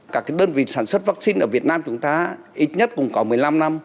các đơn vị sản xuất vaccine ở việt nam chúng ta ít nhất cũng có một mươi năm năm